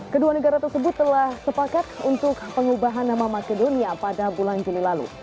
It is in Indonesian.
kedua negara tersebut telah sepakat untuk pengubahan nama makedonia pada bulan juli lalu